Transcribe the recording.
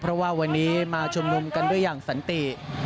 เพราะว่าวันนี้มาชุมนุมกันด้วยอย่างสันติ